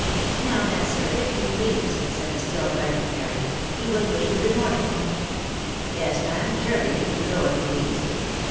" Now then, sir, if you please," said the still frightened Mary, " we will wish you good morning." u Yes, ma'am, surely, you can go if you please.